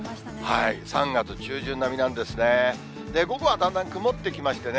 ３月中旬並みなんですね。